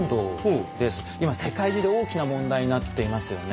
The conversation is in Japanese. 今世界中で大きな問題になっていますよね。